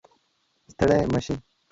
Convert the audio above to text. ستړی مشې